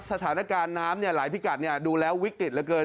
สถานการณ์น้ำหลายพิกัดดูแล้ววิกฤตเหลือเกิน